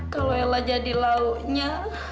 kalau ella jadi launya